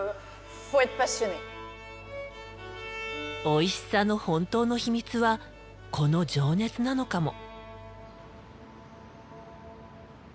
おいしさの本当の秘密はこの情熱なのかも。